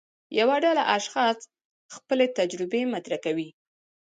یوه ډله اشخاص خپلې تجربې مطرح کوي.